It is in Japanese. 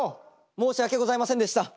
申し訳ございませんでした！